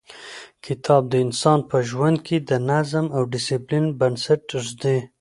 کتاب د انسان په ژوند کې د نظم او ډیسپلین بنسټ ږدي.